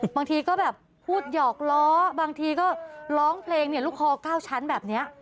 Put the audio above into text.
บางทีก็แบบพูดหยอกล้อบางทีก็ร้องเพลงเนี่ยลูกคอ๙ชั้นแบบนี้